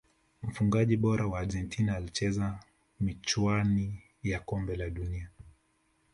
mfungaji bora wa argentina alicheza michuani ya kombe la dunia